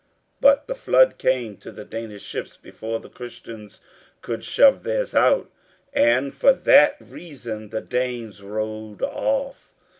But the flood came to the Danish ships before the Christians could shove theirs out, and for that reason the Danes rowed off.